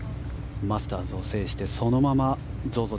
マスターズを制してそのままＺＯＺＯ